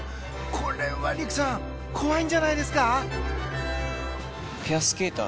これは璃来さん怖いんじゃないですか？